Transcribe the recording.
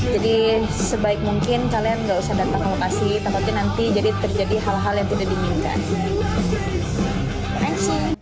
jadi sebaik mungkin kalian tidak usah datang ke lokasi tanpa itu nanti jadi terjadi hal hal yang tidak diinginkan